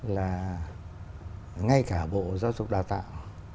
là ngay cả bộ giáo dục đào tạo